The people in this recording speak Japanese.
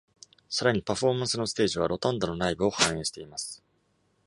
さらに、パフォーマンスのステージはロタンダの内部を反映しています。